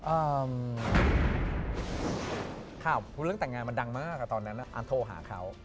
เอ่อค่ะเรื่องแต่งงานมันดังมากตอนนั้นอ่านโทรหาเขา